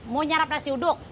mau nyerap nasi uduk